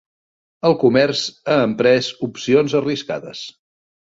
El comerç ha emprès opcions arriscades.